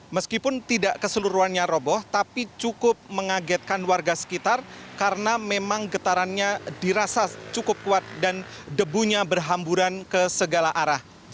meskipun tidak keseluruhannya roboh tapi cukup mengagetkan warga sekitar karena memang getarannya dirasa cukup kuat dan debunya berhamburan ke segala arah